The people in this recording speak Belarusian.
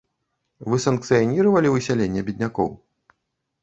Вы санкцыяніравалі высяленне беднякоў?